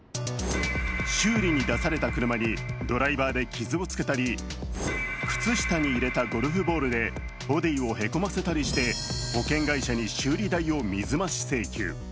修理に出された車にドライバーで傷をつけたり靴下に入れたゴルフボールでボディーをへこませたりして保険会社に修理代を水増し請求。